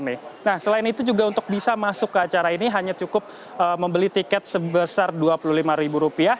nah selain itu juga untuk bisa masuk ke acara ini hanya cukup membeli tiket sebesar rp dua puluh lima